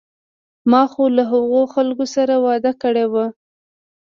ما خو له هغو خلکو سره وعده کړې وه.